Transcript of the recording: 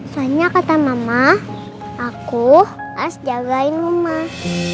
soalnya kata mama aku as jagain rumah